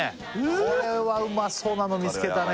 これはうまそうなの見つけたね